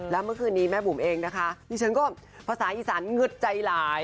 แล้วเมื่อคืนนี้แม่บุ๋มเองนะคะดิฉันก็ภาษาอีสานงึดใจหลาย